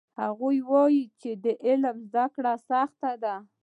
هغوی وایي چې علم زده کړه سخته ده